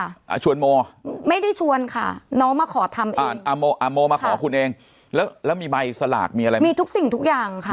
อ่าชวนโมไม่ได้ชวนค่ะน้องมาขอทำเองอ่าโมอ่าโมมาขอคุณเองแล้วแล้วมีใบสลากมีอะไรมีทุกสิ่งทุกอย่างค่ะ